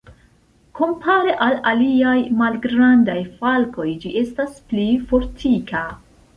Kompare al aliaj malgrandaj falkoj, ĝi estas pli fortika.